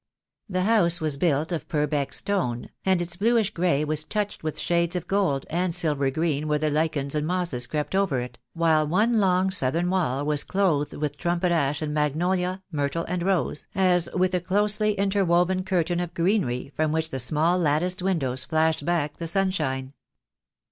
The house was built of Purbeck stone, and its bluish grey was touched with shades of gold and silvery green where the lichens and mosses crept over it, while one long southern wall was clothed with trumpet ash and magnolia, myrtle and rose, as with a closely interwoven curtain of greenery, from which the small latticed windows flashed back the sun shine.